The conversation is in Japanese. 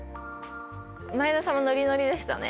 前田さんもノリノリでしたね。